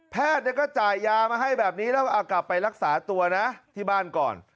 แพทย์ก็จ่ายยามาให้แบบนี้แล้วก็เอากลับไปรักษาตัวนะที่บ้านก่อน